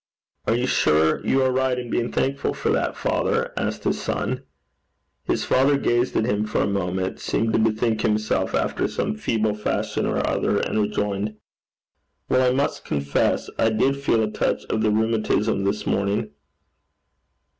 'Are you sure you are right in being thankful for that, father?' asked his son. His father gazed at him for a moment, seemed to bethink himself after some feeble fashion or other, and rejoined, 'Well, I must confess I did feel a touch of the rheumatism this morning.'